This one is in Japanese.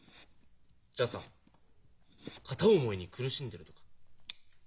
じゃあさ片思いに苦しんでるとか？